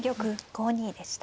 ５二でした。